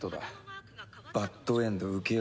バッドエンド請負人。